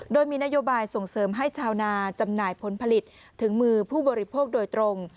โดยมีนโยบายส่งเสริมให้ชาวนาจำหน่ายผลผลิตถึงมือผู้บริโภคโดยตรง